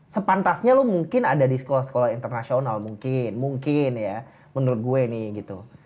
sepantasnya lo mungkin ada di sekolah sekolah internasional mungkin mungkin ya menurut gue nih gitu